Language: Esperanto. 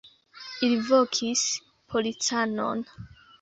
Ili vokis policanon.